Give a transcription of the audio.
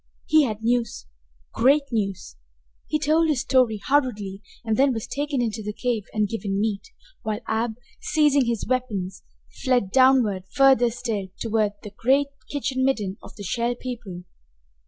He had news, great news! He told his story hurriedly, and then was taken into the cave and given meat, while Ab, seizing his weapons, fled downward further still toward the great kitchen midden of the Shell People.